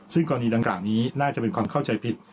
ซึ่งกรณีดังกล่าวนี้น่าจะเป็นความเข้าใจผิด